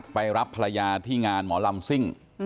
ไปรับภรรยาที่งานหมอลำซิ่ง